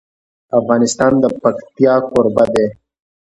افغانستان د پکتیا کوربه دی.